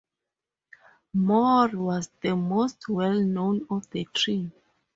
Moore was the most well-known of the three.